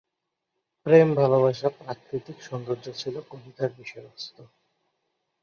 প্রেম-ভালোবাসা, প্রাকৃতিক সৌন্দর্য ছিল কবিতার বিষয়বস্তু।